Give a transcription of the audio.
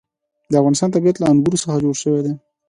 د افغانستان طبیعت له انګور څخه جوړ شوی دی.